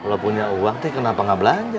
kalo punya uang teh kenapa gak belanja